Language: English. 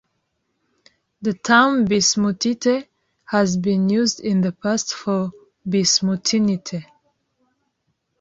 The term bismuthite has been used in the past for bismuthinite.